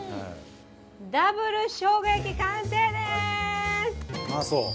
ダブルしょうが焼き、完成です。